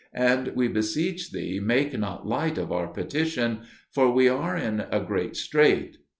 And, we beseech thee, make not light of our petition, for we are in a great strait.